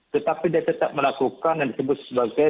tetapi dia tetap melakukan yang disebut sebagai